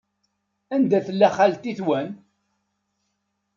Anida tella xalti-twen?